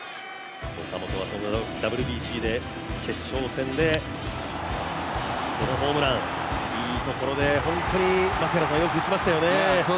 岡本はそのＷＢＣの決勝戦でこのホームラン、いいところで本当によく打ちましたよね。